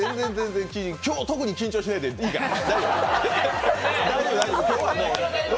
今日、特に緊張しないでいいから、大丈夫。